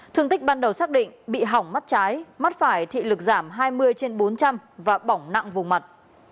thương tích ban đầu xác định bị hỏng mắt trái mắt phải thị lực giảm hai mươi trên bốn trăm linh và bỏng nặng vùng mặt